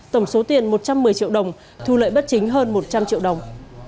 tổng số tiền một trăm một mươi triệu đồng thu lợi bất chính hơn một trăm linh triệu đồng